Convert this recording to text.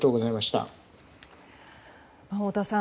太田さん